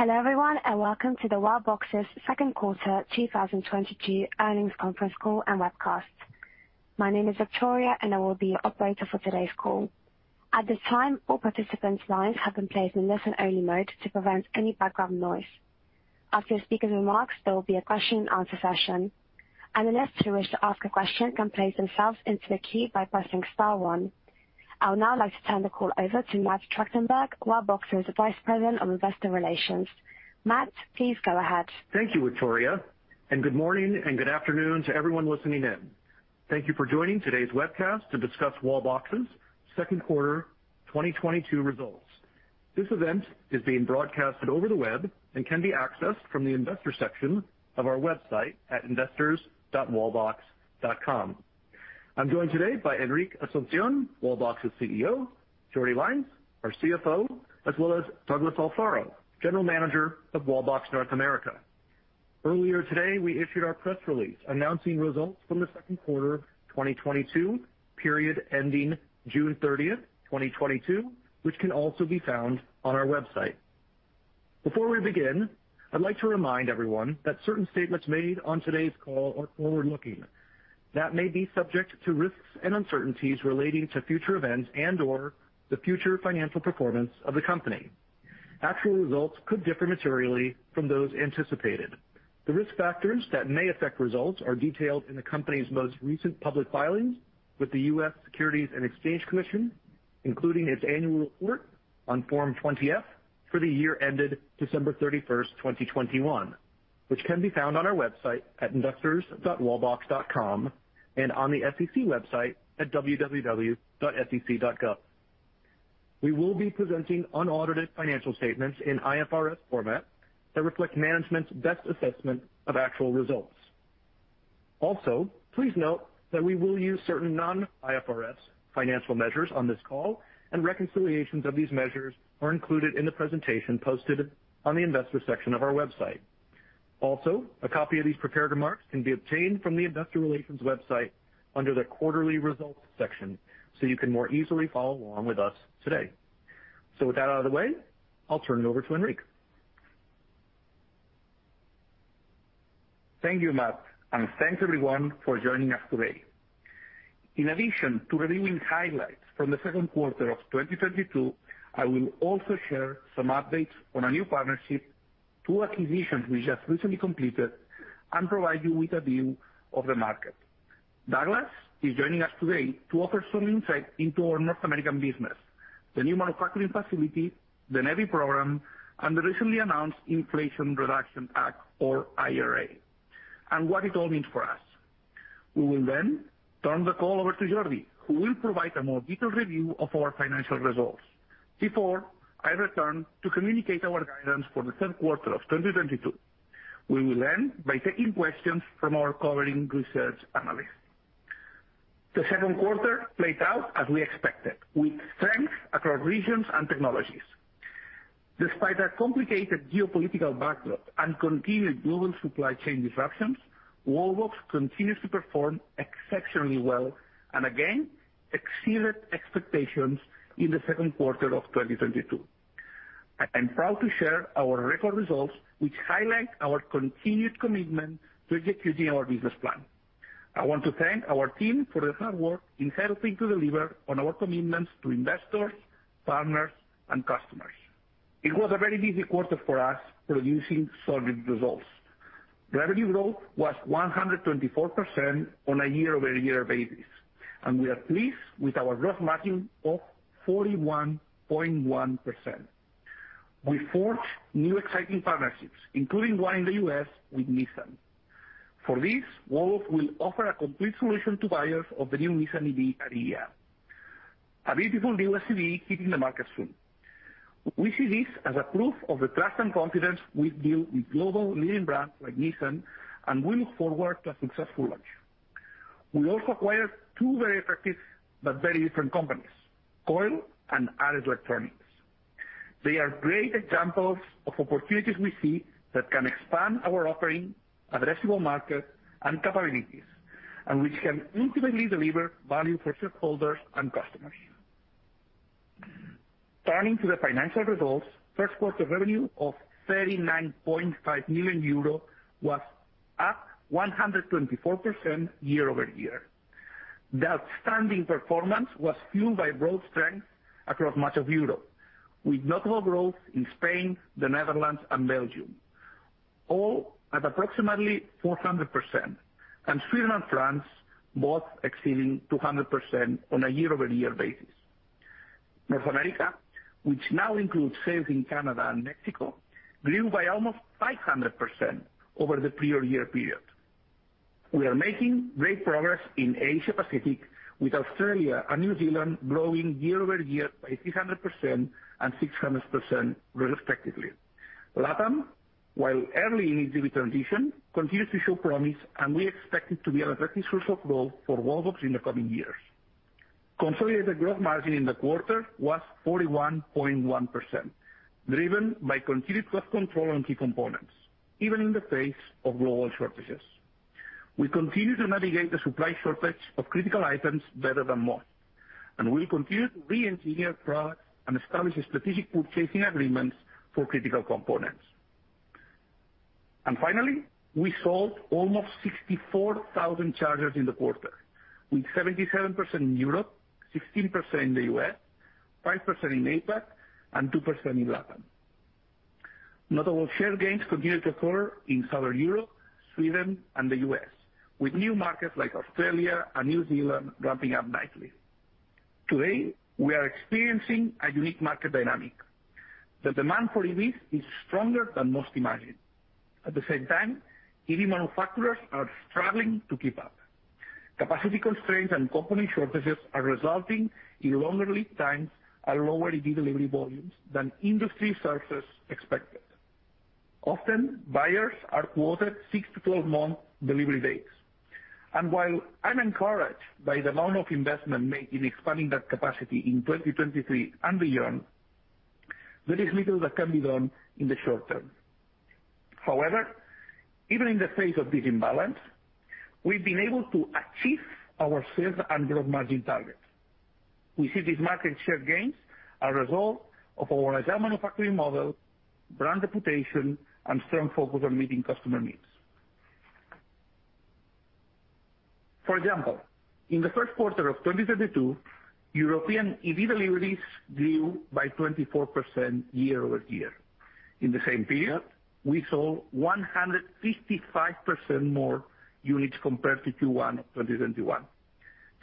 Hello, everyone, and welcome to Wallbox's second quarter 2022 earnings conference call and webcast. My name is Victoria, and I will be your operator for today's call. At this time, all participants' lines have been placed in listen only mode to prevent any background noise. After the speaker's remarks, there will be a question and answer session. Analysts who wish to ask a question can place themselves into the queue by pressing star one. I would now like to turn the call over to Matthew Tractenberg, Wallbox's Vice President of Investor Relations. Matt, please go ahead. Thank you, Victoria, and good morning and good afternoon to everyone listening in. Thank you for joining today's webcast to discuss Wallbox's second quarter 2022 results. This event is being broadcasted over the web and can be accessed from the investor section of our website at investors.wallbox.com. I'm joined today by Enric Asunción, Wallbox's CEO, Jordi Lainz, our CFO, as well as Douglas Alfaro, General Manager of Wallbox North America. Earlier today, we issued our press release announcing results from the second quarter of 2022, period ending June 30, 2022, which can also be found on our website. Before we begin, I'd like to remind everyone that certain statements made on today's call are forward-looking that may be subject to risks and uncertainties relating to future events and/or the future financial performance of the company. Actual results could differ materially from those anticipated. The risk factors that may affect results are detailed in the company's most recent public filings with the U.S. Securities and Exchange Commission, including its annual report on Form 20-F for the year ended December 31, 2021, which can be found on our website at investors.wallbox.com and on the SEC website at www.sec.gov. We will be presenting unaudited financial statements in IFRS format that reflect management's best assessment of actual results. Also, please note that we will use certain non-IFRS financial measures on this call, and reconciliations of these measures are included in the presentation posted on the investor section of our website. Also, a copy of these prepared remarks can be obtained from the investor relations website under the quarterly results section, so you can more easily follow along with us today. With that out of the way, I'll turn it over to Enric. Thank you, Matt, and thanks everyone for joining us today. In addition to reviewing highlights from the second quarter of 2022, I will also share some updates on a new partnership, two acquisitions we just recently completed, and provide you with a view of the market. Douglas is joining us today to offer some insight into our North American business, the new manufacturing facility, the NEVI program, and the recently announced Inflation Reduction Act or IRA, and what it all means for us. We will then turn the call over to Jordi, who will provide a more detailed review of our financial results, before I return to communicate our guidance for the third quarter of 2022. We will end by taking questions from our covering research analysts. The second quarter played out as we expected, with strength across regions and technologies. Despite a complicated geopolitical backdrop and continued global supply chain disruptions, Wallbox continues to perform exceptionally well and again exceeded expectations in the second quarter of 2022. I'm proud to share our record results, which highlight our continued commitment to executing our business plan. I want to thank our team for their hard work in helping to deliver on our commitments to investors, partners, and customers. It was a very busy quarter for us, producing solid results. Revenue growth was 124% on a year-over-year basis, and we are pleased with our gross margin of 41.1%. We forged new exciting partnerships, including one in the U.S. with Nissan. For this, Wallbox will offer a complete solution to buyers of the new Nissan EV Ariya, a beautiful new SUV hitting the market soon. We see this as a proof of the trust and confidence we build with global leading brands like Nissan, and we look forward to a successful launch. We also acquired two very attractive but very different companies, COIL and ARES Electronics. They are great examples of opportunities we see that can expand our offering, addressable market, and capabilities, and which can ultimately deliver value for shareholders and customers. Turning to the financial results, first quarter revenue of 39.5 million euro was up 124% year-over-year. The outstanding performance was fueled by growth strength across much of Europe, with notable growth in Spain, the Netherlands, and Belgium, all at approximately 400%, and Sweden and France both exceeding 200% on a year-over-year basis. North America, which now includes sales in Canada and Mexico, grew by almost 500% over the prior year period. We are making great progress in Asia Pacific, with Australia and New Zealand growing year-over-year by 300% and 600% respectively. LATAM, while early in its EV transition, continues to show promise, and we expect it to be an effective source of growth for Wallbox in the coming years. Consolidated gross margin in the quarter was 41.1%, driven by continued cost control on key components, even in the face of global shortages. We continue to navigate the supply shortage of critical items better than most, and we continue to re-engineer products and establish strategic purchasing agreements for critical components. Finally, we sold almost 64,000 chargers in the quarter, with 77% in Europe, 15% in the U.S., 5% in APAC, and 2% in LATAM. Notable share gains continued to occur in Southern Europe, Sweden, and the U.S., with new markets like Australia and New Zealand ramping up nicely. Today, we are experiencing a unique market dynamic. The demand for EVs is stronger than most imagined. At the same time, EV manufacturers are struggling to keep up. Capacity constraints and component shortages are resulting in longer lead times and lower EV delivery volumes than industry sources expected. Often, buyers are quoted 6- to 12-month delivery dates. While I'm encouraged by the amount of investment made in expanding that capacity in 2023 and beyond, there is little that can be done in the short term. However, even in the face of this imbalance, we've been able to achieve our sales and growth margin targets. We see these market share gains are a result of our agile manufacturing model, brand reputation, and strong focus on meeting customer needs. For example, in the first quarter of 2022, European EV deliveries grew by 24% year-over-year. In the same period, we sold 155% more units compared to Q1 of 2021.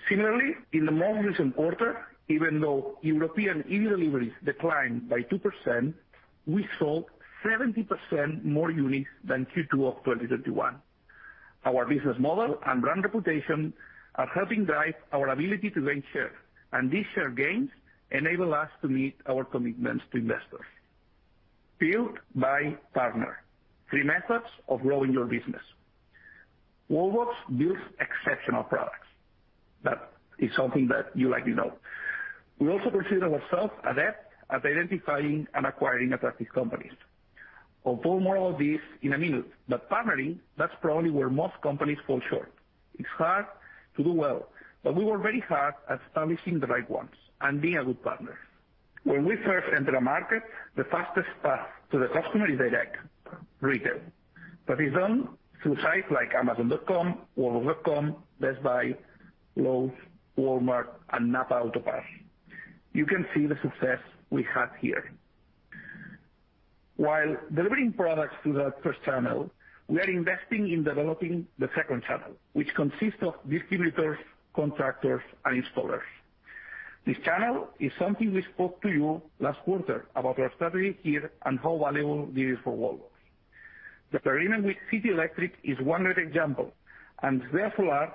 Similarly, in the more recent quarter, even though European EV deliveries declined by 2%, we sold 70% more units than Q2 of 2021. Our business model and brand reputation are helping drive our ability to gain share, and these share gains enable us to meet our commitments to investors. Build, buy, partner. Three methods of growing your business. Wallbox builds exceptional products. That is something that you likely know. We also consider ourselves adept at identifying and acquiring attractive companies. I'll talk more about this in a minute, but partnering, that's probably where most companies fall short. It's hard to do well, but we work very hard at establishing the right ones and being a good partner. When we first enter a market, the fastest path to the customer is direct retail. That is done through sites like Amazon.com, Wallbox.com, Best Buy, Lowe's, Walmart, and NAPA Auto Parts. You can see the success we have here. While delivering products through that first channel, we are investing in developing the second channel, which consists of distributors, contractors, and installers. This channel is something we spoke to you last quarter about our strategy here and how valuable it is for Wallbox. The agreement with City Electric is one great example, and Svea Solar,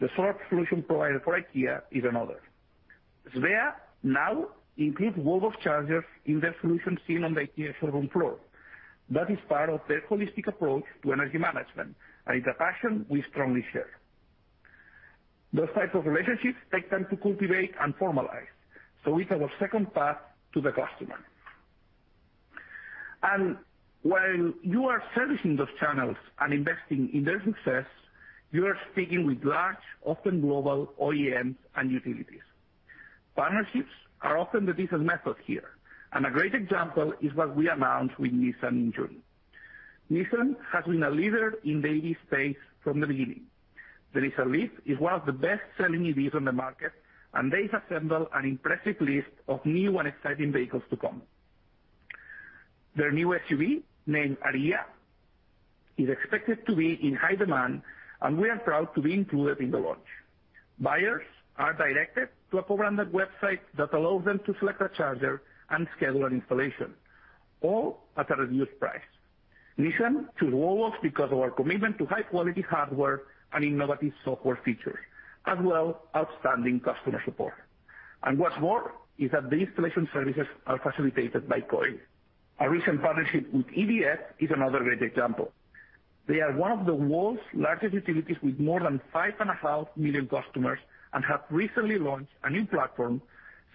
the solar solution provider for IKEA, is another. Svea now includes Wallbox chargers in their solution seen on the IKEA showroom floor. That is part of their holistic approach to energy management, and it's a passion we strongly share. Those types of relationships take time to cultivate and formalize, so it's our second path to the customer. While you are servicing those channels and investing in their success, you are speaking with large, often global OEMs and utilities. Partnerships are often the ideal method here, and a great example is what we announced with Nissan in June. Nissan has been a leader in the EV space from the beginning. The Nissan Leaf is one of the best-selling EVs on the market, and they've assembled an impressive list of new and exciting vehicles to come. Their new SUV, named Ariya, is expected to be in high demand, and we are proud to be included in the launch. Buyers are directed to a co-branded website that allows them to select a charger and schedule an installation, all at a reduced price. Nissan chose Wallbox because of our commitment to high-quality hardware and innovative software features, as well as outstanding customer support. What's more is that the installation services are facilitated by COIL. Our recent partnership with EDF is another great example. They are one of the world's largest utilities with more than 5.5 million customers and have recently launched a new platform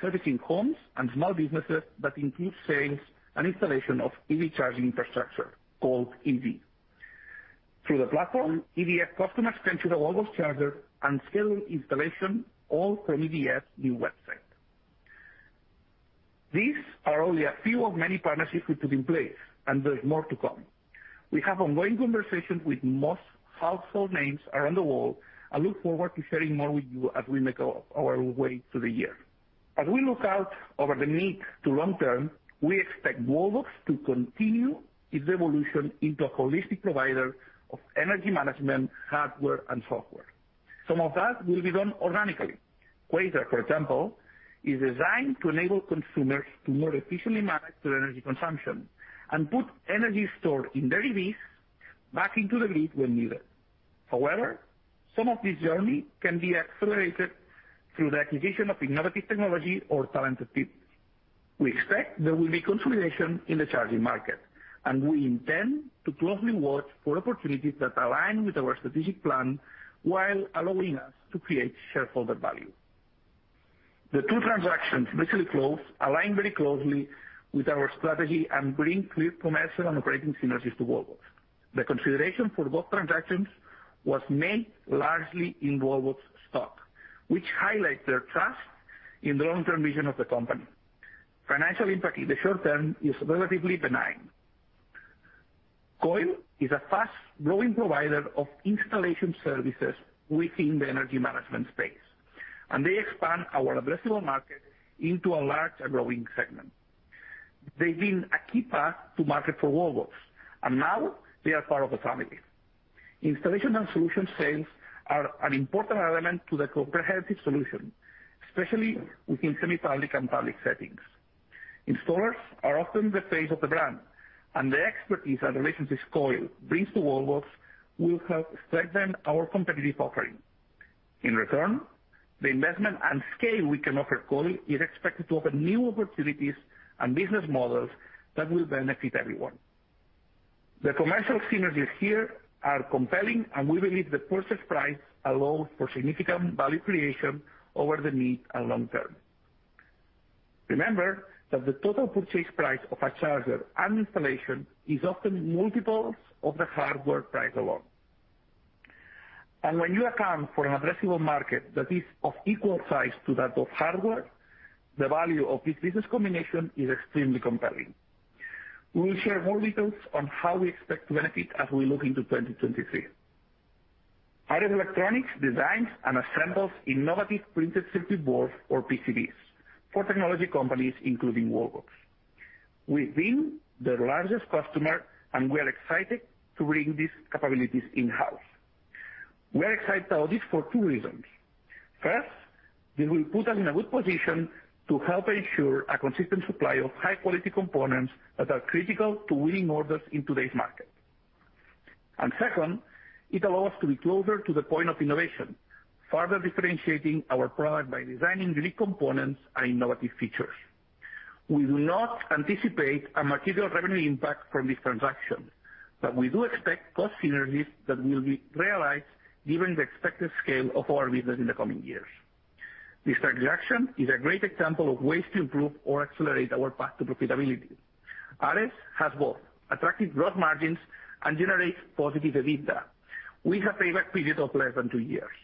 servicing homes and small businesses that includes sales and installation of EV charging infrastructure, called IZI. Through the platform, EDF customers can choose a Wallbox charger and schedule installation all from EDF's new website. These are only a few of many partnerships we put in place, and there's more to come. We have ongoing conversations with most household names around the world and look forward to sharing more with you as we make our way through the year. As we look out over the mid to long term, we expect Wallbox to continue its evolution into a holistic provider of energy management, hardware, and software. Some of that will be done organically. Quasar, for example, is designed to enable consumers to more efficiently manage their energy consumption and put energy stored in their EVs back into the grid when needed. However, some of this journey can be accelerated through the acquisition of innovative technology or talented people. We expect there will be consolidation in the charging market, and we intend to closely watch for opportunities that align with our strategic plan while allowing us to create shareholder value. The two transactions recently closed align very closely with our strategy and bring clear commercial and operating synergies to Wallbox. The consideration for both transactions was made largely in Wallbox stock, which highlights their trust in the long-term vision of the company. Financial impact in the short term is relatively benign. COIL is a fast-growing provider of installation services within the energy management space, and they expand our addressable market into a large and growing segment. They've been a key path to market for Wallbox, and now they are part of the family. Installation and solution sales are an important element to the comprehensive solution, especially within semi-public and public settings. Installers are often the face of the brand, and the expertise and relationships COIL brings to Wallbox will help strengthen our competitive offering. In return, the investment and scale we can offer COIL is expected to open new opportunities and business models that will benefit everyone. The commercial synergies here are compelling, and we believe the purchase price allows for significant value creation over the mid and long term. Remember that the total purchase price of a charger and installation is often multiples of the hardware price alone. When you account for an addressable market that is of equal size to that of hardware, the value of this business combination is extremely compelling. We will share more details on how we expect to benefit as we look into 2023. ARES Electronics designs and assembles innovative printed circuit boards or PCBs for technology companies, including Wallbox. We've been their largest customer, and we are excited to bring these capabilities in-house. We are excited about this for two reasons. First, this will put us in a good position to help ensure a consistent supply of high-quality components that are critical to winning orders in today's market. Second, it allows us to be closer to the point of innovation, further differentiating our product by designing unique components and innovative features. We do not anticipate a material revenue impact from this transaction, but we do expect cost synergies that will be realized given the expected scale of our business in the coming years. This transaction is a great example of ways to improve or accelerate our path to profitability. ARES Electronics has both attractive growth margins and generates positive EBITDA with a payback period of less than two years.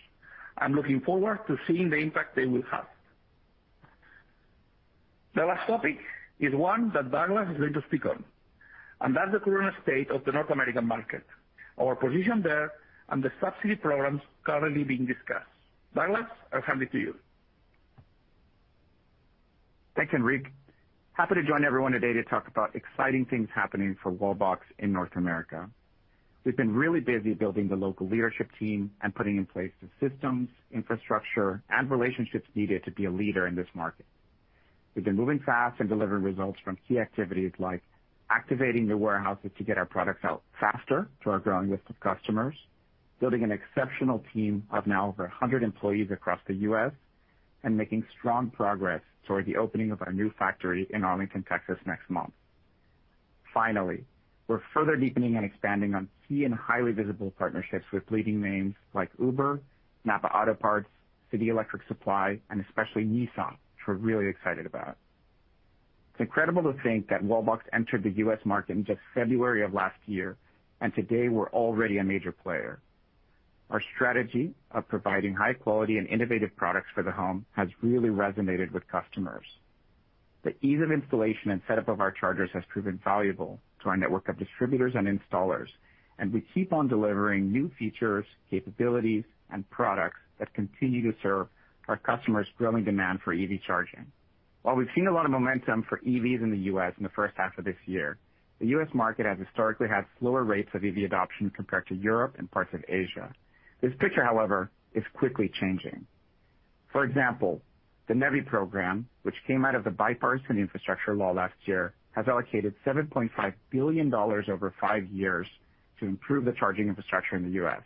I'm looking forward to seeing the impact they will have. The last topic is one that Douglas is going to speak on, and that's the current state of the North American market, our position there, and the subsidy programs currently being discussed. Douglas, I'll hand it to you. Thanks, Enric. Happy to join everyone today to talk about exciting things happening for Wallbox in North America. We've been really busy building the local leadership team and putting in place the systems, infrastructure, and relationships needed to be a leader in this market. We've been moving fast and delivering results from key activities like activating new warehouses to get our products out faster to our growing list of customers, building an exceptional team of now over a hundred employees across the U.S., and making strong progress toward the opening of our new factory in Arlington, Texas, next month. Finally, we're further deepening and expanding on key and highly visible partnerships with leading names like Uber, NAPA Auto Parts, City Electric Supply, and especially Nissan, which we're really excited about. It's incredible to think that Wallbox entered the U.S. market in just February of last year, and today we're already a major player. Our strategy of providing high quality and innovative products for the home has really resonated with customers. The ease of installation and setup of our chargers has proven valuable to our network of distributors and installers, and we keep on delivering new features, capabilities, and products that continue to serve our customers' growing demand for EV charging. While we've seen a lot of momentum for EVs in the U.S. in the first half of this year, the U.S. market has historically had slower rates of EV adoption compared to Europe and parts of Asia. This picture, however, is quickly changing. For example, the NEVI program, which came out of the Bipartisan Infrastructure Law last year, has allocated $7.5 billion over five years to improve the charging infrastructure in the U.S.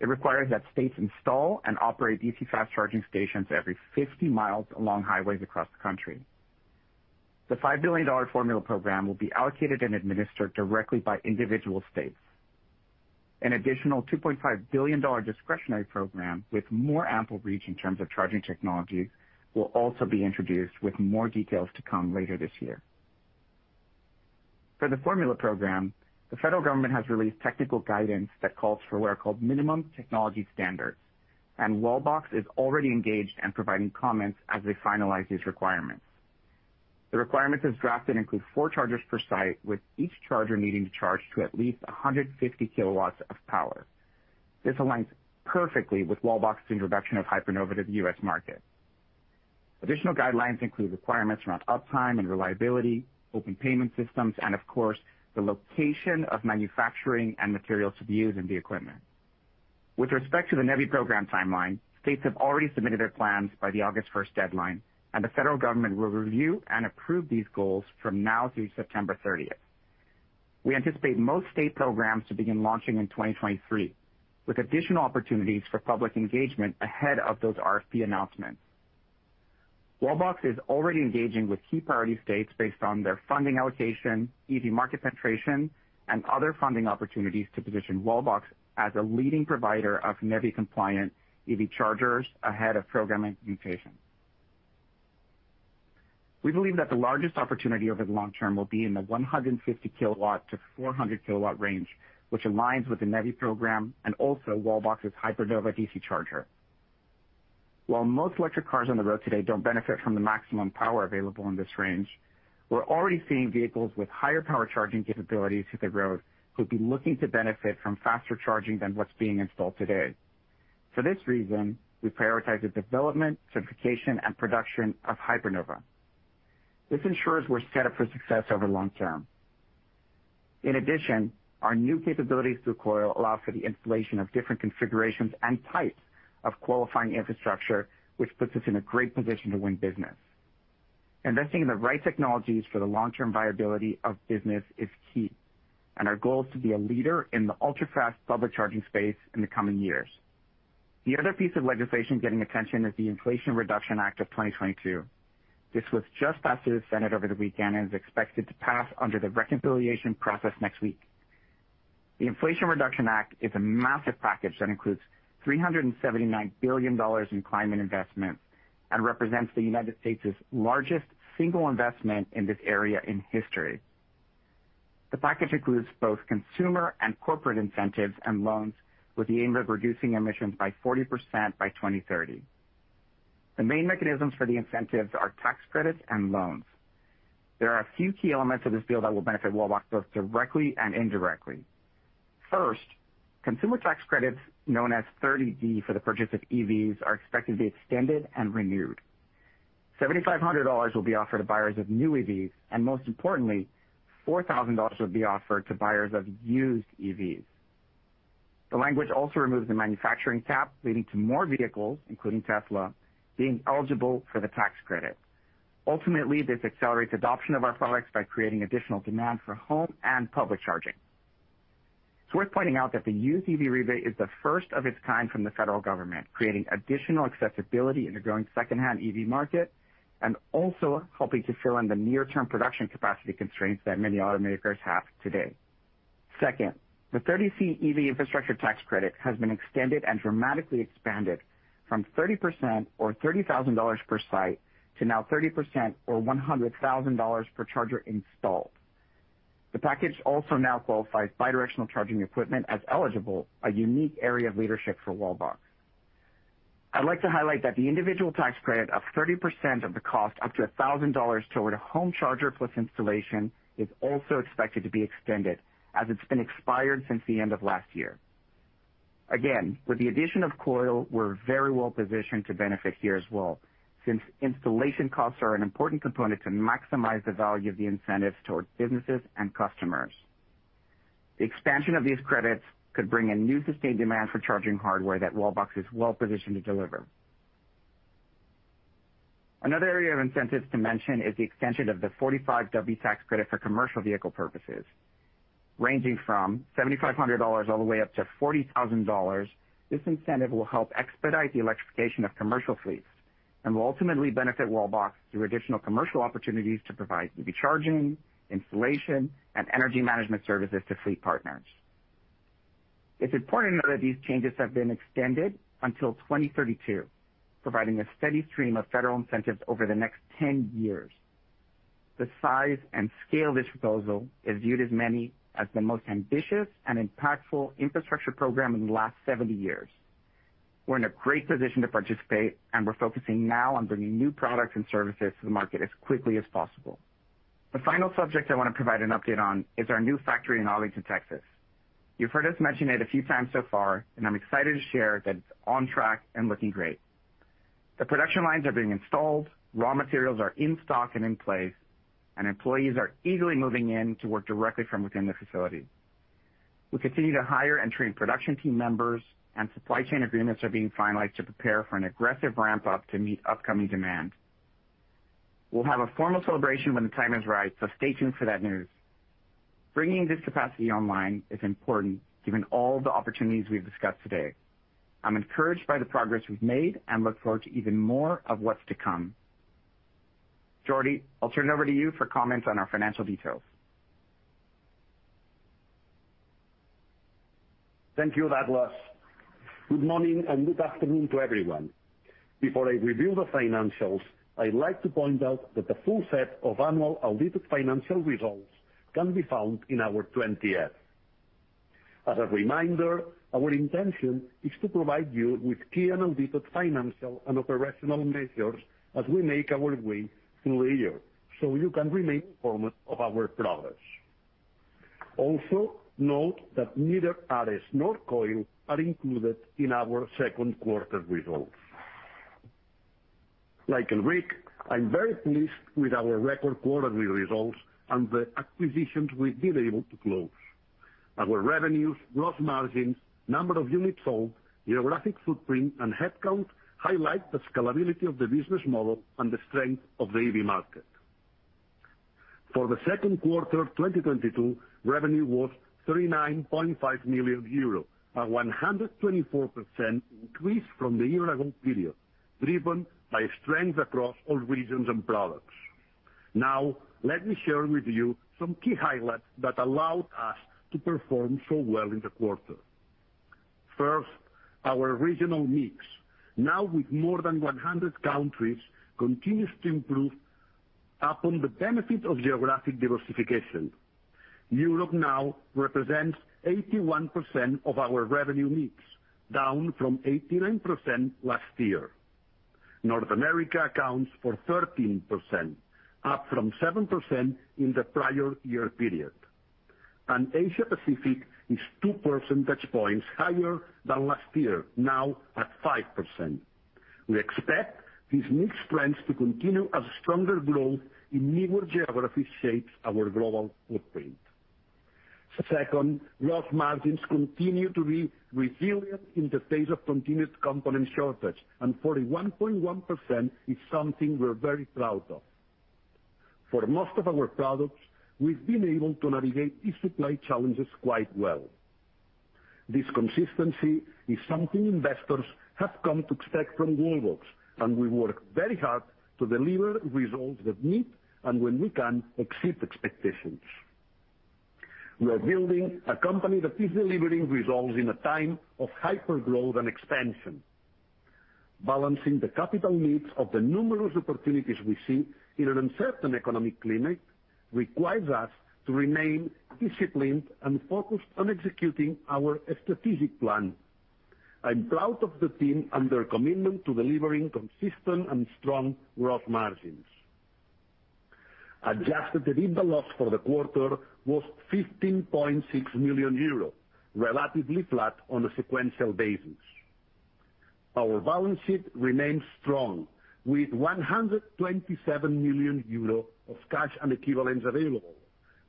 It requires that states install and operate DC fast charging stations every 50 miles along highways across the country. The $5 billion formula program will be allocated and administered directly by individual states. An additional $2.5 billion discretionary program with more ample reach in terms of charging technologies will also be introduced with more details to come later this year. For the formula program, the federal government has released technical guidance that calls for what are called minimum technology standards, and Wallbox is already engaged and providing comments as they finalize these requirements. The requirements as drafted include four chargers per site, with each charger needing to charge to at least 150 kW of power. This aligns perfectly with Wallbox's introduction of Hypernova to the U.S. market. Additional guidelines include requirements around uptime and reliability, open payment systems, and of course, the location of manufacturing and materials to be used in the equipment. With respect to the NEVI program timeline, states have already submitted their plans by the August 1 deadline, and the federal government will review and approve these goals from now through September 30. We anticipate most state programs to begin launching in 2023, with additional opportunities for public engagement ahead of those RFP announcements. Wallbox is already engaging with key priority states based on their funding allocation, EV market penetration, and other funding opportunities to position Wallbox as a leading provider of NEVI-compliant EV chargers ahead of program implementation. We believe that the largest opportunity over the long term will be in the 150 kW-400 kW range, which aligns with the NEVI program and also Wallbox's Hypernova DC charger. While most electric cars on the road today don't benefit from the maximum power available in this range, we're already seeing vehicles with higher power charging capabilities hit the road who'd be looking to benefit from faster charging than what's being installed today. For this reason, we prioritize the development, certification, and production of Hypernova. This ensures we're set up for success over the long term. In addition, our new capabilities through COIL allow for the installation of different configurations and types of qualifying infrastructure, which puts us in a great position to win business. Investing in the right technologies for the long-term viability of business is key, and our goal is to be a leader in the ultra-fast public charging space in the coming years. The other piece of legislation getting attention is the Inflation Reduction Act of 2022. This was just passed through the Senate over the weekend and is expected to pass under the reconciliation process next week. The Inflation Reduction Act is a massive package that includes $379 billion in climate investment and represents the United States' largest single investment in this area in history. The package includes both consumer and corporate incentives and loans, with the aim of reducing emissions by 40% by 2030. The main mechanisms for the incentives are tax credits and loans. There are a few key elements of this bill that will benefit Wallbox both directly and indirectly. First, consumer tax credits, known as 30D for the purchase of EVs, are expected to be extended and renewed. $7,500 will be offered to buyers of new EVs, and most importantly, $4,000 will be offered to buyers of used EVs. The language also removes the manufacturing cap, leading to more vehicles, including Tesla, being eligible for the tax credit. Ultimately, this accelerates adoption of our products by creating additional demand for home and public charging. It's worth pointing out that the used EV rebate is the first of its kind from the federal government, creating additional accessibility in the growing secondhand EV market and also helping to fill in the near-term production capacity constraints that many automakers have today. Second, the 30C EV infrastructure tax credit has been extended and dramatically expanded from 30% or $30,000 per site to now 30% or $100,000 per charger installed. The package also now qualifies bidirectional charging equipment as eligible, a unique area of leadership for Wallbox. I'd like to highlight that the individual tax credit of 30% of the cost, up to $1,000 toward a home charger plus installation, is also expected to be extended, as it's been expired since the end of last year. Again, with the addition of COIL, we're very well positioned to benefit here as well, since installation costs are an important component to maximize the value of the incentives towards businesses and customers. The expansion of these credits could bring a new sustained demand for charging hardware that Wallbox is well-positioned to deliver. Another area of incentives to mention is the extension of the 45W tax credit for commercial vehicle purposes, ranging from $7,500 all the way up to $40,000. This incentive will help expedite the electrification of commercial fleets and will ultimately benefit Wallbox through additional commercial opportunities to provide EV charging, installation, and energy management services to fleet partners. It's important to know that these changes have been extended until 2032, providing a steady stream of federal incentives over the next 10 years. The size and scale of this proposal is viewed as many as the most ambitious and impactful infrastructure program in the last 70 years. We're in a great position to participate, and we're focusing now on bringing new products and services to the market as quickly as possible. The final subject I want to provide an update on is our new factory in Arlington, Texas. You've heard us mention it a few times so far, and I'm excited to share that it's on track and looking great. The production lines are being installed, raw materials are in stock and in place, and employees are eagerly moving in to work directly from within the facility. We continue to hire and train production team members, and supply chain agreements are being finalized to prepare for an aggressive ramp-up to meet upcoming demand. We'll have a formal celebration when the time is right, so stay tuned for that news. Bringing this capacity online is important given all the opportunities we've discussed today. I'm encouraged by the progress we've made and look forward to even more of what's to come. Jordi, I'll turn it over to you for comments on our financial details. Thank you, Douglas. Good morning and good afternoon to everyone. Before I review the financials, I'd like to point out that the full set of annual audited financial results can be found in our 20-F. As a reminder, our intention is to provide you with key unaudited financial and operational measures as we make our way through the year, so you can remain informed of our progress. Also, note that neither ARES nor COIL are included in our second quarter results. Like Enric, I'm very pleased with our record quarterly results and the acquisitions we've been able to close. Our revenues, gross margins, number of units sold, geographic footprint, and headcount highlight the scalability of the business model and the strength of the EV market. For the second quarter of 2022, revenue was 39.5 million euros, a 124% increase from the year-ago period, driven by strength across all regions and products. Now, let me share with you some key highlights that allowed us to perform so well in the quarter. First, our regional mix, now with more than 100 countries, continues to improve upon the benefit of geographic diversification. Europe now represents 81% of our revenue mix, down from 89% last year. North America accounts for 13%, up from 7% in the prior year period. Asia Pacific is two percentage points higher than last year, now at 5%. We expect these mix trends to continue as stronger growth in newer geographies shapes our global footprint. Second, gross margins continue to be resilient in the face of continued component shortage, and 41.1% is something we're very proud of. For most of our products, we've been able to navigate these supply challenges quite well. This consistency is something investors have come to expect from Wallbox, and we work very hard to deliver results that meet, and when we can, exceed expectations. We are building a company that is delivering results in a time of hyper-growth and expansion. Balancing the capital needs of the numerous opportunities we see in an uncertain economic climate requires us to remain disciplined and focused on executing our strategic plan. I'm proud of the team and their commitment to delivering consistent and strong growth margins. Adjusted EBITDA loss for the quarter was 15.6 million euros, relatively flat on a sequential basis. Our balance sheet remains strong with 127 million euro of cash and equivalents available,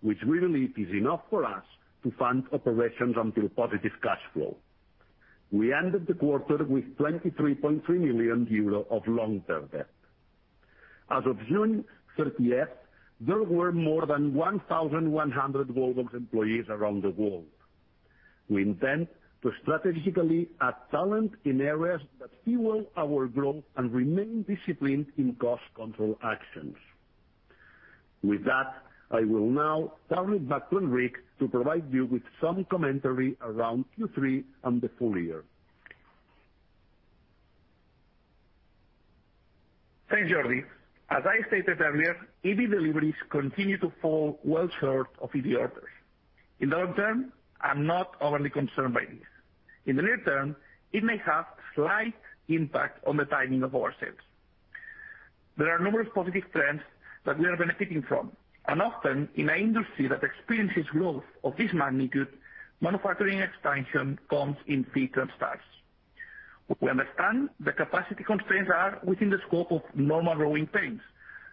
which we believe is enough for us to fund operations until positive cash flow. We ended the quarter with 23.3 million euro of long-term debt. As of June thirtieth, there were more than 1,100 Wallbox employees around the world. We intend to strategically add talent in areas that fuel our growth and remain disciplined in cost control actions. With that, I will now turn it back to Enric to provide you with some commentary around Q3 and the full year. Thanks, Jordi. As I stated earlier, EV deliveries continue to fall well short of EV orders. In the long term, I'm not overly concerned by this. In the near term, it may have slight impact on the timing of our sales. There are a number of positive trends that we are benefiting from, and often in an industry that experiences growth of this magnitude, manufacturing expansion comes in fits and starts. We understand the capacity constraints are within the scope of normal growing pains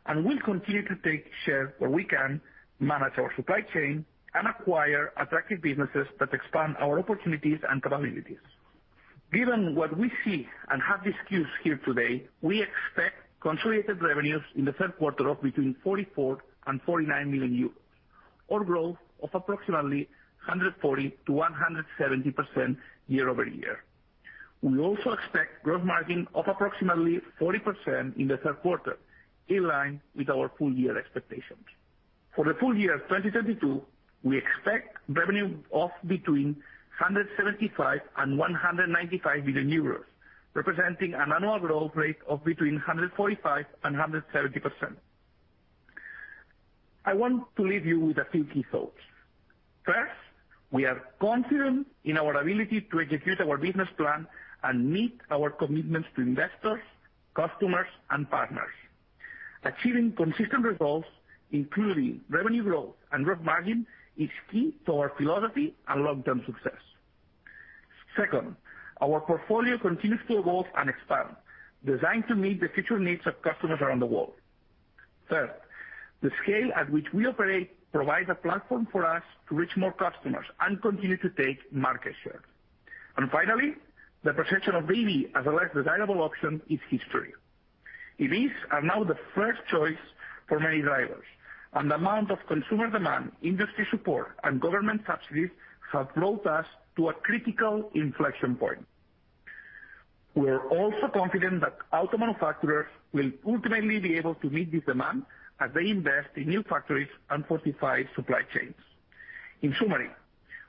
and will continue to take share where we can, manage our supply chain, and acquire attractive businesses that expand our opportunities and capabilities. Given what we see and have discussed here today, we expect consolidated revenues in the third quarter of between 44 million and 49 million euros, or growth of approximately 140%-170% year-over-year. We also expect gross margin of approximately 40% in the third quarter, in line with our full year expectations. For the full year 2022, we expect revenue of between 175 million and 195 million euros, representing an annual growth rate of between 145% and 170%. I want to leave you with a few key thoughts. First, we are confident in our ability to execute our business plan and meet our commitments to investors, customers, and partners. Achieving consistent results, including revenue growth and gross margin, is key to our philosophy and long-term success. Second, our portfolio continues to evolve and expand, designed to meet the future needs of customers around the world. Third, the scale at which we operate provides a platform for us to reach more customers and continue to take market share. Finally, the perception of EV as a less desirable option is history. EVs are now the first choice for many drivers, and the amount of consumer demand, industry support, and government subsidies have brought us to a critical inflection point. We're also confident that auto manufacturers will ultimately be able to meet this demand as they invest in new factories and fortify supply chains. In summary,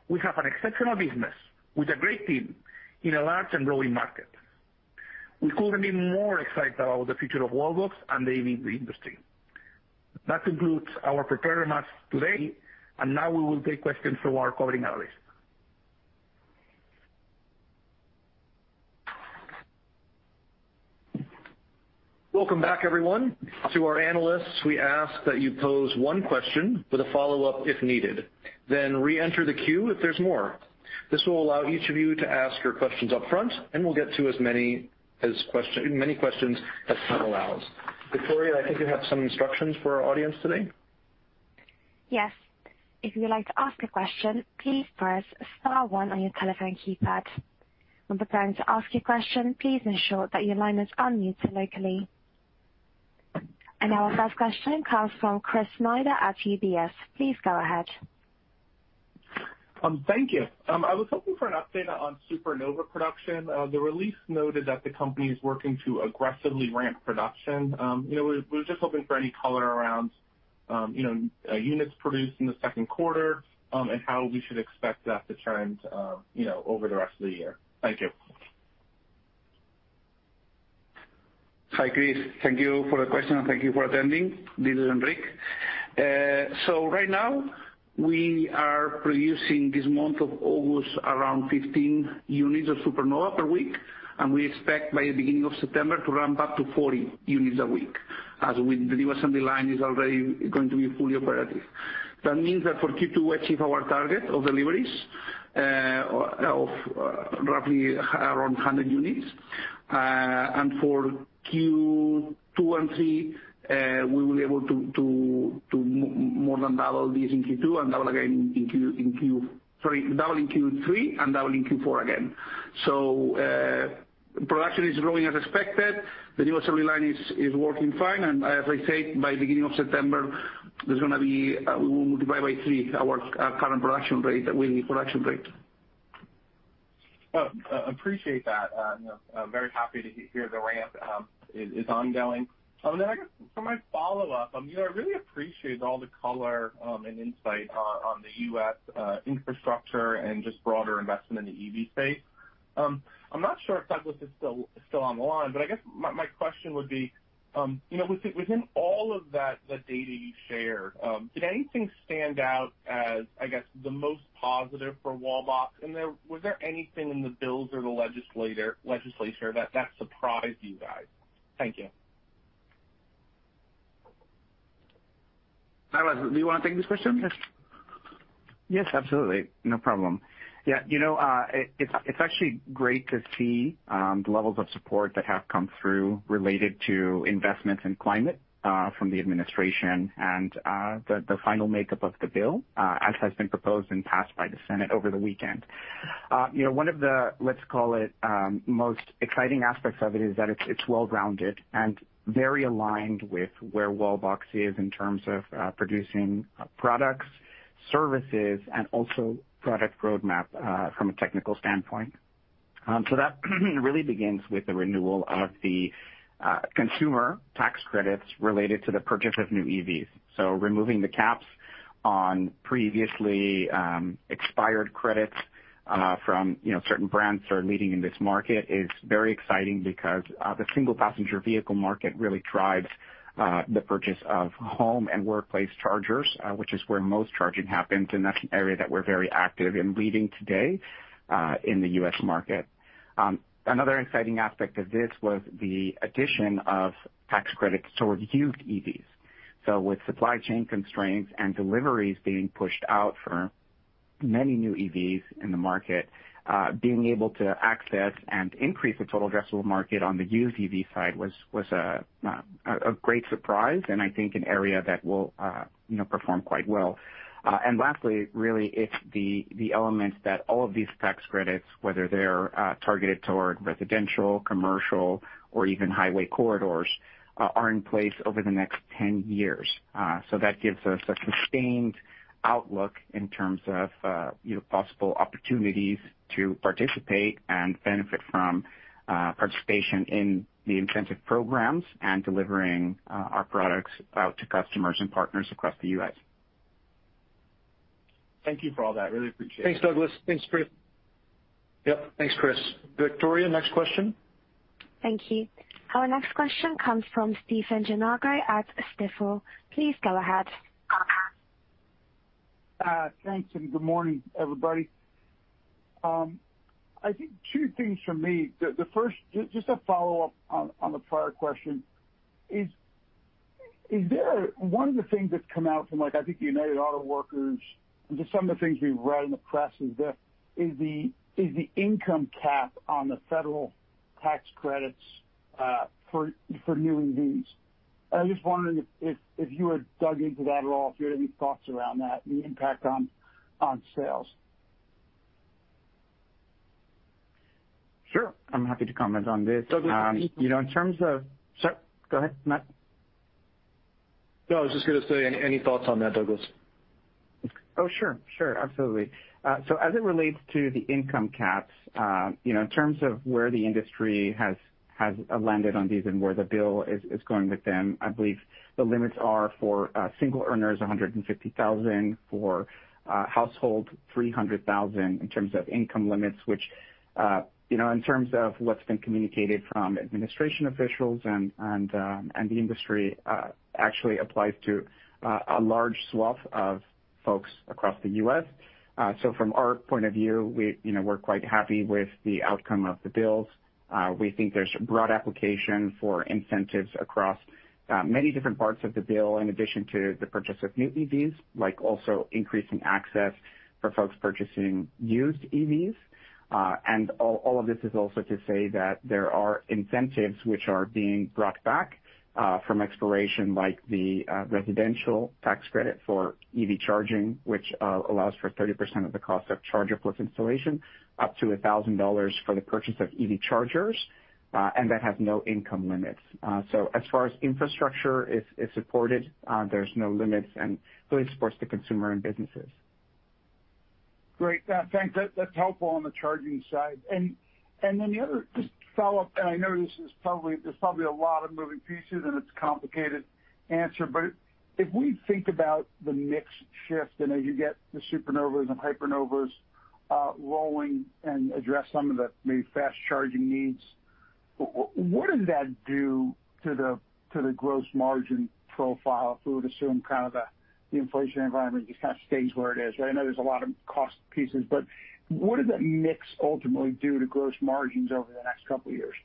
we have an exceptional business with a great team in a large and growing market. We couldn't be more excited about the future of Wallbox and the EV industry. That concludes our prepared remarks today, and now we will take questions from our covering analysts. Welcome back, everyone. To our analysts, we ask that you pose one question with a follow-up if needed, then re-enter the queue if there's more. This will allow each of you to ask your questions up front, and we'll get to as many questions as time allows. Victoria, I think you have some instructions for our audience today. Yes. If you would like to ask a question, please press star one on your telephone keypad. When preparing to ask your question, please ensure that your line is unmuted locally. Our first question comes from Chris Snyder at UBS. Please go ahead. Thank you. I was hoping for an update on Supernova production. The release noted that the company is working to aggressively ramp production. You know, we're just hoping for any color around, you know, units produced in the second quarter, and how we should expect that to trend, you know, over the rest of the year. Thank you. Hi, Chris. Thank you for the question and thank you for attending. This is Enric. Right now, we are producing this month of August around 15 units of Supernova per week, and we expect by the beginning of September to ramp up to 40 units a week as the new assembly line is already going to be fully operative. That means that for Q2, we achieve our target of deliveries of roughly around 100 units. For Q2 and Q3, we will be able to more than double these in Q3 and double in Q4 again. Production is growing as expected. The new assembly line is working fine, and as I said, by beginning of September, there's gonna be we will divide by three our current production rate, weekly production rate. Well, appreciate that. You know, I'm very happy to hear the ramp is ongoing. Then I guess for my follow-up, you know, I really appreciate all the color and insight on the U.S. infrastructure and just broader investment in the EV space. I'm not sure if Douglas is still on the line, but I guess my question would be, you know, within all of that, the data you've shared, did anything stand out as, I guess, the most positive for Wallbox? Was there anything in the bills or the legislature that surprised you guys? Thank you. Douglas, do you wanna take this question? Yes. Yes, absolutely. No problem. Yeah, you know, it's actually great to see the levels of support that have come through related to investments in climate from the administration and the final makeup of the bill as has been proposed and passed by the Senate over the weekend. You know, one of the, let's call it, most exciting aspects of it is that it's well-rounded and very aligned with where Wallbox is in terms of producing products, services, and also product roadmap from a technical standpoint. That really begins with the renewal of the consumer tax credits related to the purchase of new EVs. Removing the caps on previously expired credits from, you know, certain brands who are leading in this market is very exciting because the single passenger vehicle market really drives the purchase of home and workplace chargers which is where most charging happens, and that's an area that we're very active in leading today in the U.S. market. Another exciting aspect of this was the addition of tax credits towards used EVs. With supply chain constraints and deliveries being pushed out for many new EVs in the market, being able to access and increase the total addressable market on the used EV side was a great surprise and I think an area that will, you know, perform quite well. Lastly, really it's the elements that all of these tax credits, whether they're targeted toward residential, commercial or even highway corridors, are in place over the next 10 years. That gives us a sustained outlook in terms of, you know, possible opportunities to participate and benefit from participation in the incentive programs and delivering our products out to customers and partners across the U.S. Thank you for all that. Really appreciate it. Thanks, Douglas. Thanks, Chris. Yep. Thanks, Chris. Victoria, next question. Thank you. Our next question comes from Stephen Gengaro at Stifel. Please go ahead. Thanks, good morning, everybody. I think two things from me. The first, just a follow-up on the prior question. Is there one of the things that's come out from, like I think the United Auto Workers and just some of the things we've read in the press is the income cap on the federal tax credits for new EVs. I was just wondering if you had dug into that at all, if you had any thoughts around that and the impact on sales. Sure. I'm happy to comment on this. Douglas- You know, sorry, go ahead, Matt. No, I was just gonna say any thoughts on that, Douglas? Oh, sure. Sure. Absolutely. As it relates to the income caps, you know, in terms of where the industry has landed on these and where the bill is going with them, I believe the limits are for single earners, $150,000; for household, $300,000 in terms of income limits, which, you know, in terms of what's been communicated from administration officials and the industry, actually applies to a large swath of folks across the U.S. From our point of view, we, you know, we're quite happy with the outcome of the bills. We think there's broad application for incentives across many different parts of the bill in addition to the purchase of new EVs, like also increasing access for folks purchasing used EVs. All of this is also to say that there are incentives which are being brought back from expiration like the residential tax credit for EV charging, which allows for 30% of the cost of charger plus installation, up to $1,000 for the purchase of EV chargers, and that has no income limits. As far as infrastructure is supported, there's no limits and really supports the consumer and businesses. Great. Thanks. That's helpful on the charging side. Then the other just to follow up, and I know this is probably there's probably a lot of moving pieces and it's a complicated answer, but if we think about the mix shift and as you get the Supernovas and Hypernovas rolling and address some of the maybe fast charging needs, what does that do to the gross margin profile if we were to assume kind of the inflation environment just kind of stays where it is? I know there's a lot of cost pieces, but what does that mix ultimately do to gross margins over the next couple of years?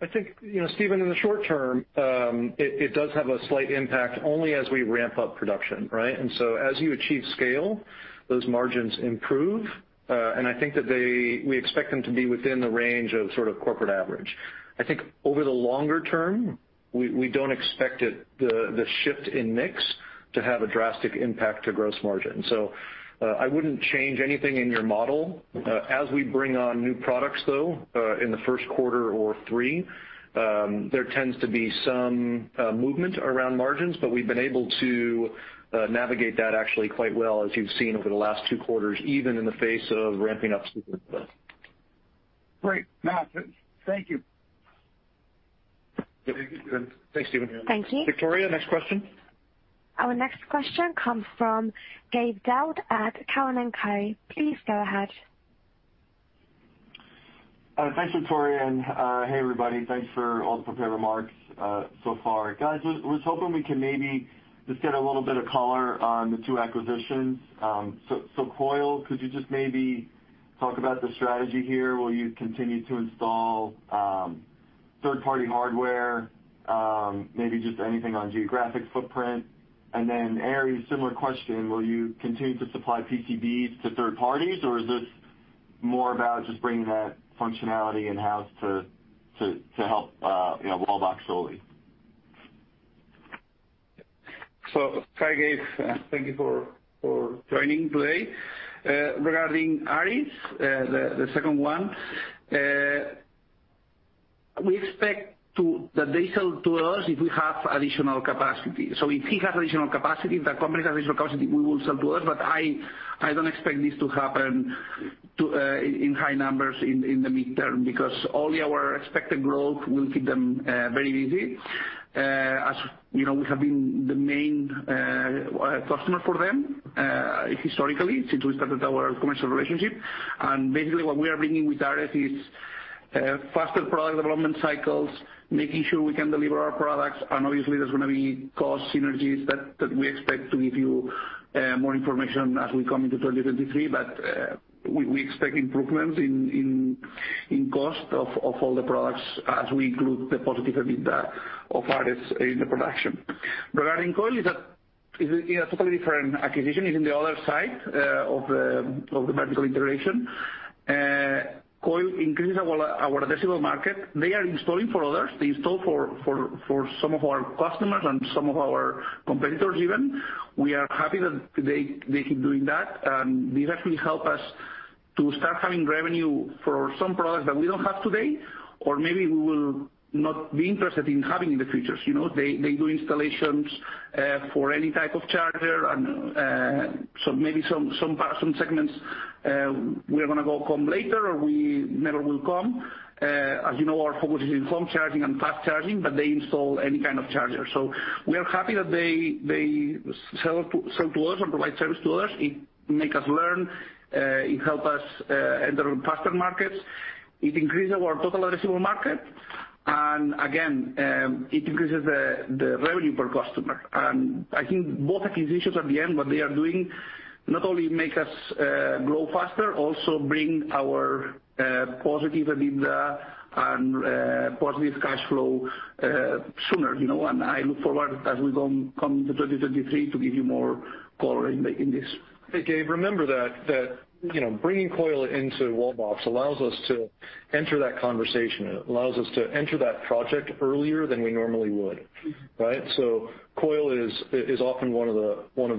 I think, you know, Stephen, in the short term, it does have a slight impact only as we ramp up production, right? As you achieve scale, those margins improve, and I think that we expect them to be within the range of sort of corporate average. I think over the longer term, we don't expect the shift in mix to have a drastic impact to gross margin. I wouldn't change anything in your model. As we bring on new products, though, in the first quarter or three, there tends to be some movement around margins, but we've been able to navigate that actually quite well as you've seen over the last two quarters, even in the face of ramping up Supernova. Great. Matt, thank you. Yeah, thank you, Stephen. Thank you. Victoria, next question. Our next question comes from Gabriel Daoud at Cowen and Company. Please go ahead. Thanks, Victoria, and hey, everybody. Thanks for all the prepared remarks so far. Guys, I was hoping we can maybe just get a little bit of color on the two acquisitions. So, COIL, could you just maybe talk about the strategy here? Will you continue to install third-party hardware, maybe just anything on geographic footprint? And then, ARES, similar question. Will you continue to supply PCB to third parties, or is this more about just bringing that functionality in-house to help, you know, Wallbox solely? Hi, Gabe. Thank you for joining today. Regarding ARES, the second one, we expect that they sell to us if they have additional capacity. If he has additional capacity, if the company has additional capacity, they will sell to us, but I don't expect this to happen in high numbers in the medium term because only our expected growth will keep them very busy. As you know, we have been the main customer for them historically since we started our commercial relationship. Basically what we are bringing with ARES is faster product development cycles, making sure we can deliver our products, and obviously there's gonna be cost synergies that we expect to give you more information as we come into 2023. We expect improvements in cost of all the products as we include the positive EBITDA of ARES in the production. Regarding COIL, totally different acquisition. It's in the other side of the vertical integration. COIL increases our addressable market. They are installing for others. They install for some of our customers and some of our competitors even. We are happy that they keep doing that, and this actually help us to start having revenue for some products that we don't have today or maybe we will not be interested in having in the future. They do installations for any type of charger and so maybe some segments we're gonna come later or we never will come. As you know, our focus is in home charging and fast charging, but they install any kind of charger. We are happy that they sell to us and provide service to us. It makes us learn, it helps us enter markets faster. It increases our total addressable market, and again, it increases the revenue per customer. I think both acquisitions at the end, what they are doing, not only make us grow faster, also bring our positive EBITDA and positive cash flow sooner, you know? I look forward as we go come to 2023 to give you more color in this. Hey, Gabe, remember that, you know, bringing COIL into Wallbox allows us to enter that conversation. It allows us to enter that project earlier than we normally would, right? COIL is often one of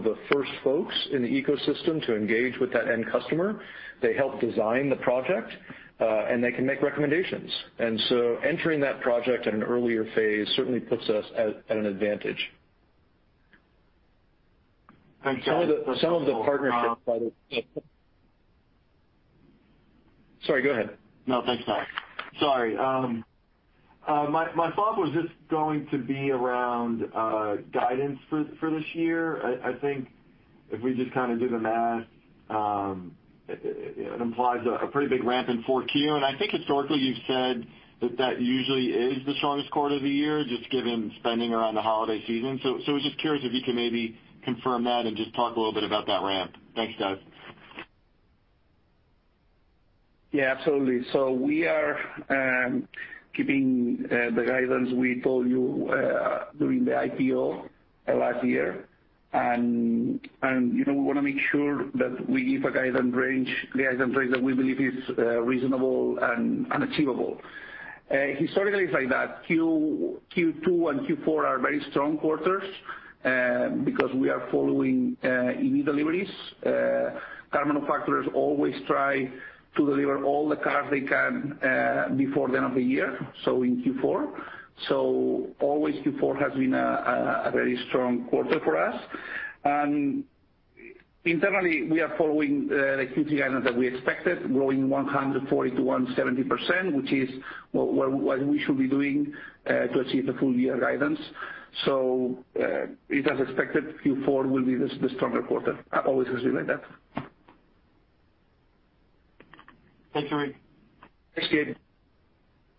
the first folks in the ecosystem to engage with that end customer. They help design the project, and they can make recommendations. Entering that project at an earlier phase certainly puts us at an advantage. Thanks, guys. Some of the partnerships. Um- Sorry, go ahead. No, thanks, Matt. Sorry. My follow-up was just going to be around guidance for this year. I think if we just kinda do the math, it implies a pretty big ramp in four Q. I think historically you've said that usually is the strongest quarter of the year just given spending around the holiday season. I was just curious if you can maybe confirm that and just talk a little bit about that ramp. Thanks, guys. Yeah, absolutely. We are keeping the guidance we told you during the IPO last year. You know, we wanna make sure that we give a guidance range, the guidance range that we believe is reasonable and achievable. Historically it's like that. Q2 and Q4 are very strong quarters because we are following EV deliveries. Car manufacturers always try to deliver all the cars they can before the end of the year, so in Q4. Always Q4 has been a very strong quarter for us. Internally, we are following the activity items that we expected, growing 140-170%, which is what we should be doing to achieve the full year guidance. It is expected Q4 will be the stronger quarter. Always has been like that. Thank you, Enric. Thanks, Gabe.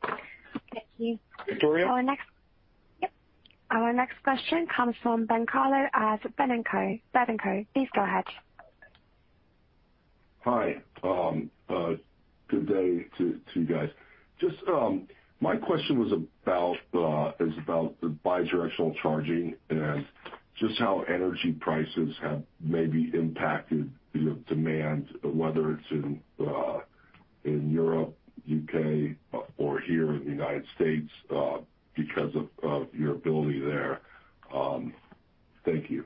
Thank you. Victoria? Our next question comes from Ben Kallo at Baird & Co. Please go ahead. Hi. Good day to you guys. Just my question is about the bi-directional charging and just how energy prices have maybe impacted your demand, whether it's in Europe, U.K., or here in the United States, because of your ability there. Thank you.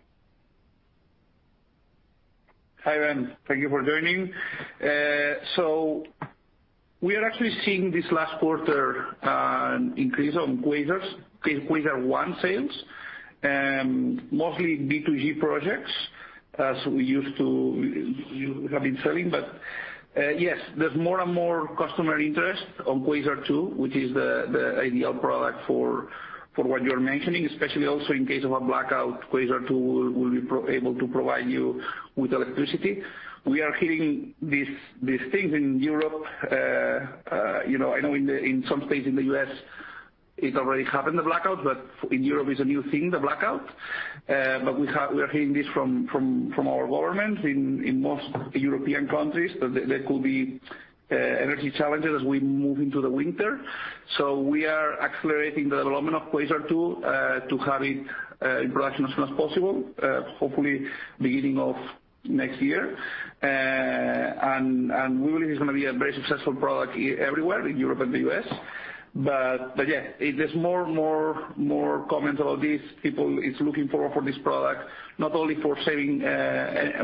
Hi, Ben. Thank you for joining. So we are actually seeing this last quarter increase on Quasar 1 sales, mostly V2G projects, as we used to, you have been selling. Yes, there's more and more customer interest on Quasar 2, which is the ideal product for what you're mentioning, especially also in case of a blackout, Quasar 2 will be able to provide you with electricity. We are hearing these things in Europe, you know, I know in some states in the U.S. it already happened, the blackout, but in Europe, it's a new thing, the blackout. We are hearing this from our governments in most European countries that there could be energy challenges as we move into the winter. We are accelerating the development of Quasar 2 to have it in production as soon as possible, hopefully beginning of next year. We believe it's gonna be a very successful product everywhere in Europe and the U.S. Yeah, it is more comments about this. People is looking for this product, not only for saving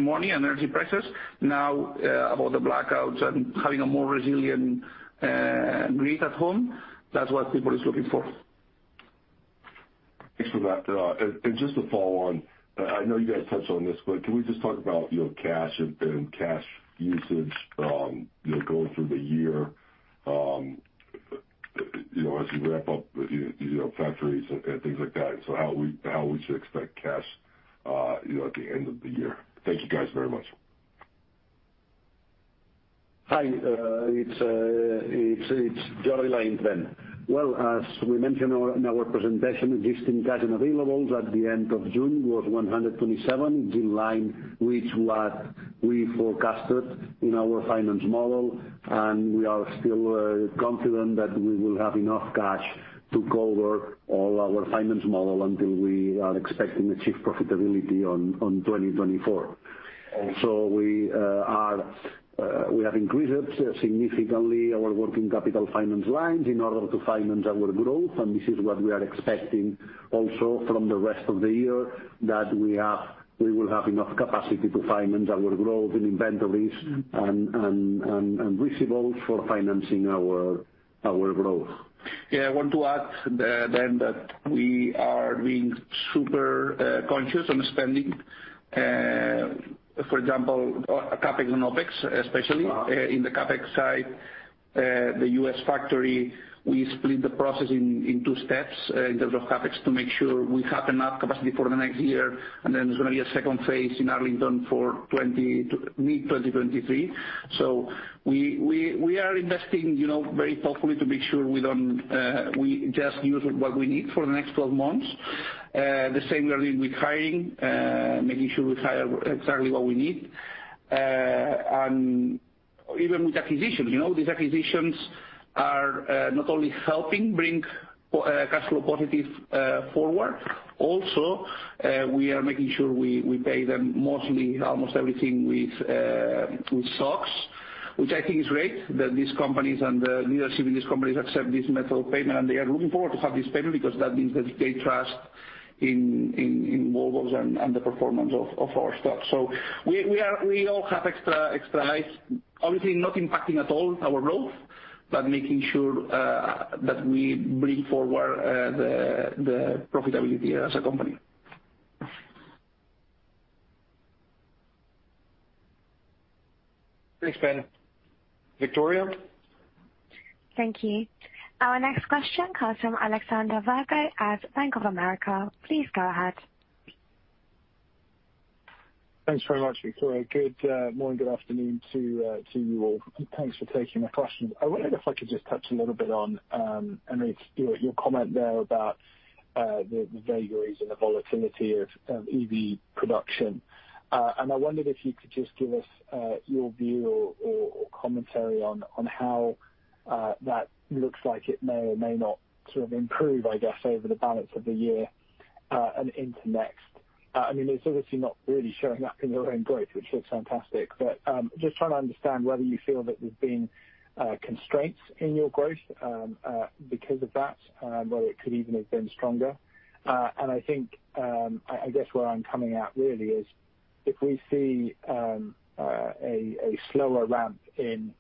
money on energy prices, now about the blackouts and having a more resilient grid at home. That's what people is looking for. Thanks for that. And just to follow on, I know you guys touched on this, but can we just talk about, you know, cash and cash usage, you know, going through the year, you know, as you wrap up with your factories and things like that. How we should expect cash, you know, at the end of the year. Thank you guys very much. Hi. It's Jordi Lainz, Ben. Well, as we mentioned in our presentation, existing cash and cash equivalents at the end of June was 127, in line with what we forecasted in our financial model, and we are still confident that we will have enough cash to cover all our financial model until we are expecting to achieve profitability in 2024. Okay. We have increased significantly our working capital finance lines in order to finance our growth, and this is what we are expecting also from the rest of the year, that we will have enough capacity to finance our growth in inventories and receivables for financing our growth. Yeah. I want to add that we are being super conscious on spending, for example, CapEx and OpEx, especially in the CapEx side. The U.S. factory, we split the process in two steps in terms of CapEx, to make sure we have enough capacity for the next year. Then there's gonna be a second phase in Arlington for mid-2023. We are investing, you know, very thoughtfully to make sure we just use what we need for the next 12 months. The same we are doing with hiring, making sure we hire exactly what we need. Even with acquisitions, you know, these acquisitions are not only helping bring cash flow positive forward, also we are making sure we pay them mostly, almost everything with stocks, which I think is great that these companies and the leadership in these companies accept this method of payment, and they are looking forward to have this payment because that means that they trust in Wallbox and the performance of our stocks. We all have extra nice, obviously not impacting at all our growth, but making sure that we bring forward the profitability as a company. Thanks, Ben. Victoria? Thank you. Our next question comes from Alexander Duval at Bank of America. Please go ahead. Thanks very much, Victoria. Good morning, good afternoon to you all, and thanks for taking my question. I wondered if I could just touch a little bit on Enric, your comment there about the vagaries and the volatility of EV production. I wondered if you could just give us your view or commentary on how that looks like it may or may not sort of improve, I guess, over the balance of the year and into next. I mean, it's obviously not really showing up in your own growth, which looks fantastic, but just trying to understand whether you feel that there's been constraints in your growth because of that, whether it could even have been stronger. I think I guess where I'm coming at really is if we see a slower ramp in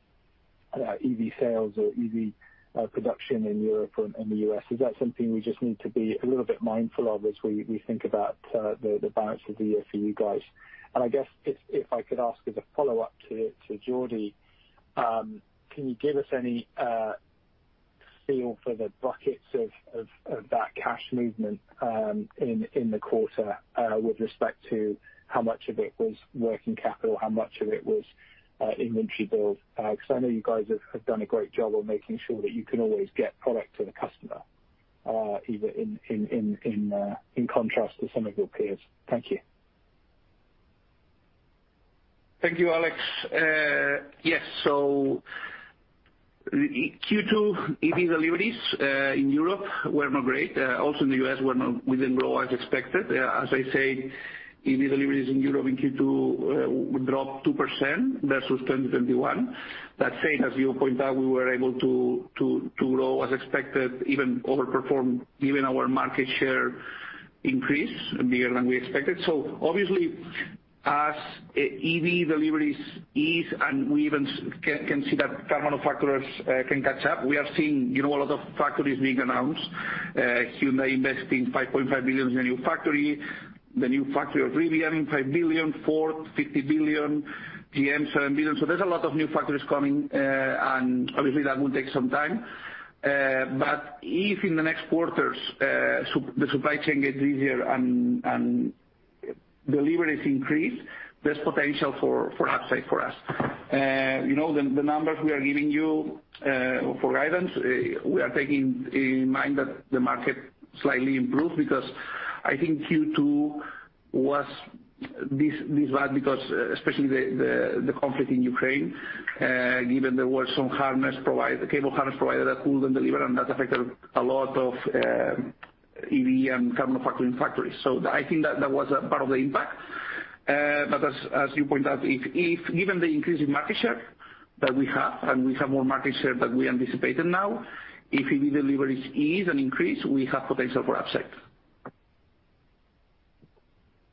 EV sales or EV production in Europe or in the U.S., is that something we just need to be a little bit mindful of as we think about the balance of the year for you guys? I guess if I could ask as a follow-up to Jordi, can you give us any feel for the buckets of that cash movement in the quarter with respect to how much of it was working capital, how much of it was inventory build? 'Cause I know you guys have done a great job of making sure that you can always get product to the customer, even in contrast to some of your peers. Thank you. Thank you, Alex. Yes. Q2 EV deliveries in Europe were not great. Also in the U.S. were not growing as expected. As I say, EV deliveries in Europe in Q2 dropped 2% versus 2021. That said, as you point out, we were able to grow as expected, even overperform, given our market share increase bigger than we expected. Obviously, as EV deliveries ease and we even can see that car manufacturers can catch up, we are seeing a lot of factories being announced. Hyundai investing $5.5 billion in a new factory, the new factory of Rivian, $5 billion, Ford, $50 billion, GM, $7 billion. There's a lot of new factories coming, and obviously, that will take some time. If in the next quarters, the supply chain gets easier and deliveries increase, there's potential for upside for us. You know, the numbers we are giving you for guidance, we are taking in mind that the market slightly improved because I think Q2 was this bad because especially the conflict in Ukraine, given there were some cable harness provider that couldn't deliver and that affected a lot of EV and car manufacturing factories. I think that was a part of the impact. As you point out, if given the increase in market share that we have, and we have more market share than we anticipated now, if EV deliveries ease and increase, we have potential for upside.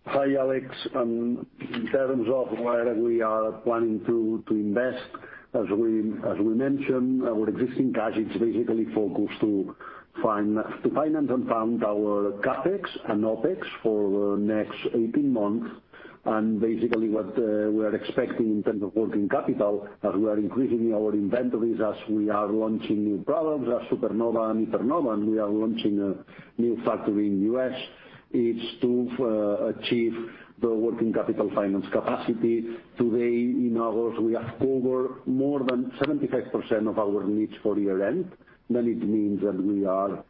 Hi, Alex. In terms of where we are planning to invest, as we mentioned, our existing cash is basically focused to fund, to finance and fund our CapEx and OpEx for next 18 months. Basically what we are expecting in terms of working capital, as we are increasing our inventories as we are launching new products as Supernova and Hypernova, and we are launching a new factory in U.S., is to achieve the working capital finance capacity. Today, in August, we have covered more than 75% of our needs for year-end. It means that we are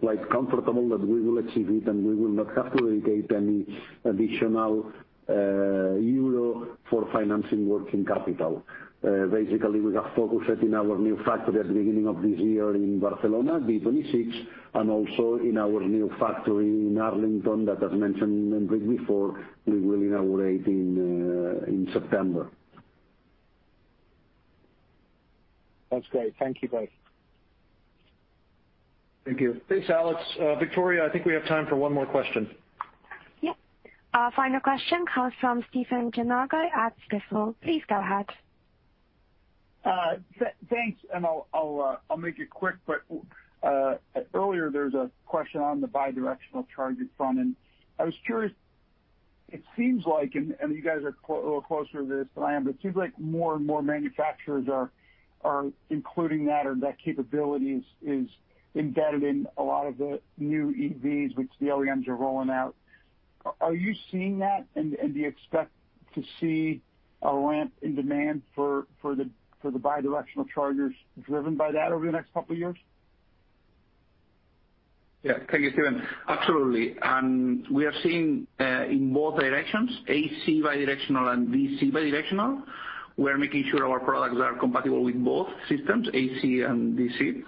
quite comfortable that we will achieve it, and we will not have to allocate any additional euro for financing working capital. Basically, we are focusing our new factory at the beginning of this year in Barcelona, B26, and also in our new factory in Arlington that I've mentioned a bit before, we will inaugurate in September. That's great. Thank you both. Thank you. Thanks, Alex. Victoria, I think we have time for one more question. Yep. Our final question comes from Stephen Gengaro at Stifel. Please go ahead. Thanks, and I'll make it quick, but earlier there was a question on the bi-directional charging front, and I was curious. It seems like you guys are a little closer to this than I am, but it seems like more and more manufacturers are including that or that capability is embedded in a lot of the new EVs which the OEMs are rolling out. Are you seeing that? And do you expect to see a ramp in demand for the bi-directional chargers driven by that over the next couple of years? Yeah. Thank you, Stephen. Absolutely. We are seeing in both directions, AC bi-directional and DC bi-directional. We're making sure our products are compatible with both systems, AC and DC.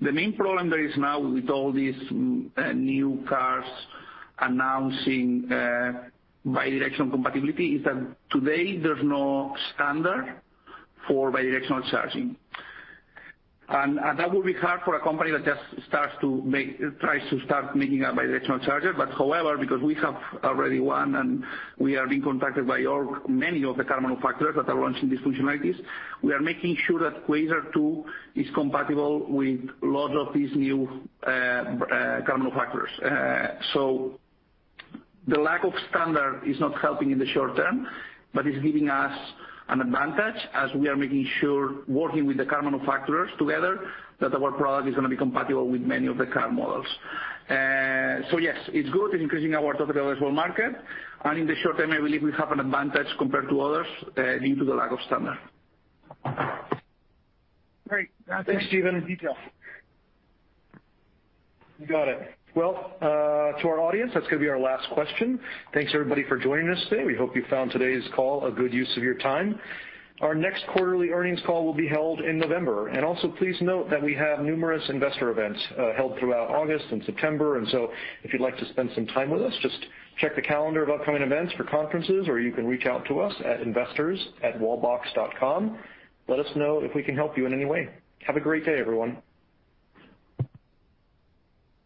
The main problem there is now with all these new cars announcing bi-directional compatibility is that today there's no standard for bi-directional charging. That will be hard for a company that just tries to start making a bi-directional charger. However, because we have already one and we are being contacted by OEMs, many of the car manufacturers that are launching these functionalities, we are making sure that Quasar 2 is compatible with a lot of these new car manufacturers. The lack of standard is not helping in the short term, but it's giving us an advantage as we are making sure, working with the car manufacturers together, that our product is gonna be compatible with many of the car models. Yes, it's good. It's increasing our total addressable market and in the short term, I believe we have an advantage compared to others, due to the lack of standard. Great. Thanks, Stephen, in detail. You got it. Well, to our audience, that's gonna be our last question. Thanks, everybody, for joining us today. We hope you found today's call a good use of your time. Our next quarterly earnings call will be held in November. Please note that we have numerous investor events held throughout August and September. If you'd like to spend some time with us, just check the calendar of upcoming events for conferences, or you can reach out to us at investors@wallbox.com. Let us know if we can help you in any way. Have a great day, everyone.